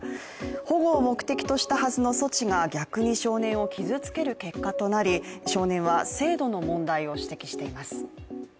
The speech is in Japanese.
保護を目的としたはずの措置が逆に少年を傷つける結果となり少年は制度の問題を指摘しています。